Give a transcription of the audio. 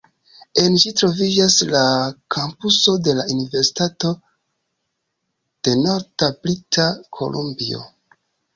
En ĝi troviĝas la kampuso de la Universitato de Norda Brita Kolumbio.